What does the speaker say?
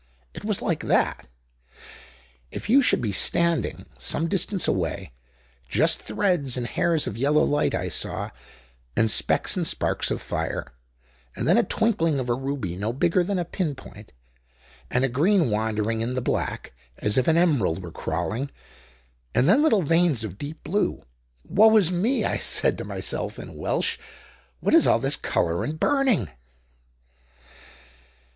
It was like that, if you should be standing some distance away. Just threads and hairs of yellow light I saw, and specks and sparks of fire, and then a twinkling of a ruby no bigger than a pin point, and a green wandering in the black, as if an emerald were crawling, and then little veins of deep blue. 'Woe is me!' I said to myself in Welsh, 'What is all this color and burning?